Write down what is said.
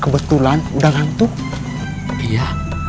kebetulan udah ngantuk iya